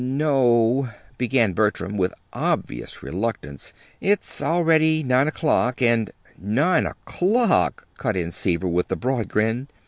"No o," began Bertram, with obvious reluctance. "It's already nine o'clock, and " "Nine o'clock!" cut in Seaver, with a broad grin.